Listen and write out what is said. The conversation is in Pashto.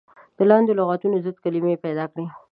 د لاندې لغتونو ضد کلمې پيداکړئ.